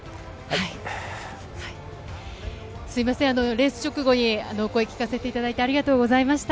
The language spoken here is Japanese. レース直後に声を聞かせていただいて、ありがとうございました。